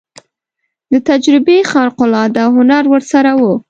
د تجربې خارق العاده هنر ورسره و.